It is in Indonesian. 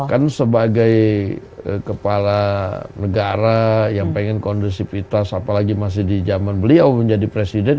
kan sebagai eee kepala negara yang pengen kondisi pitas apalagi masih di jaman beliau menjadi presiden